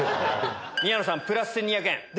宮野さんプラス１２００円。